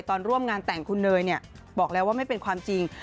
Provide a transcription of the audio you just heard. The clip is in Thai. ร่วมงานแต่งคุณเนยบอกแล้วว่าไม่เป็นความจริง